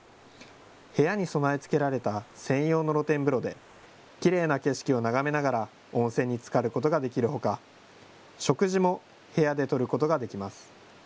部屋に備え付けられた専用の露天風呂できれいな景色を眺めながら温泉につかることができるほか食事も部屋でとることができます。